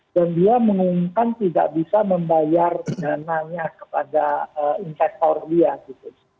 dan dia mengumumkan tidak bisa membayar dananya kepada investor dia gitu